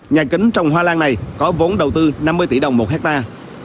nhà kính trồng hoa lan này có vốn đầu tư năm mươi tỷ đồng một hectare